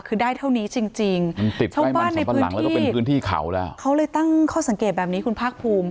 คือได้เท่านี้จริงจริงชาวบ้านในพื้นที่เขาเลยตั้งข้อสังเกตแบบนี้คุณภาครภูมิ